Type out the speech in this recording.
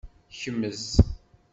Kmez.